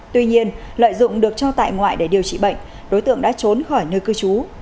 tuy nhiên lợi dụng được cho tại ngoại để điều trị bệnh đối tượng đã trốn khỏi nơi cư trú